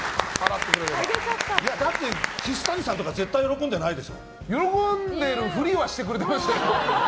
岸谷さんとか喜んでるふりはしてくれましたよ。